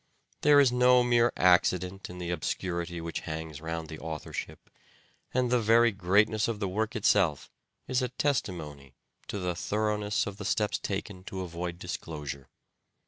There is no mere accident in the obscurity which hangs round the authorship, and the very greatness of the work itself is a testimony to the thoroughness of the steps taken to avoid disclosure.